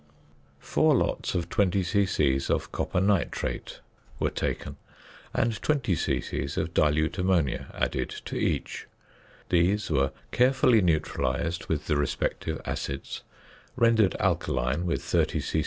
Four lots of 20 c.c. of "copper nitrate" were taken, and 20 c.c. of dilute ammonia added to each. These were carefully neutralised with the respective acids, rendered alkaline with 30 c.